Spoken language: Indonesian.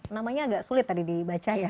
namanya agak sulit tadi dibaca ya